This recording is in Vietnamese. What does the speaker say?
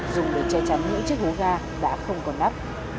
dùng để che chắn những chiếc hố ga đã không còn nắp